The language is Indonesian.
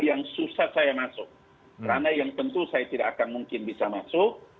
yang susah saya masuk karena yang tentu saya tidak akan mungkin bisa masuk